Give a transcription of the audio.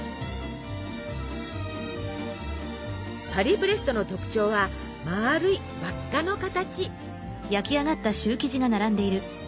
パリブレストの特徴はまるい輪っかの形。